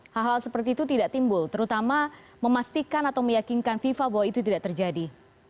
hal hal seperti itu tidak timbul terutama memastikan atau meyakinkan fifa bahwa itu tidak terjadi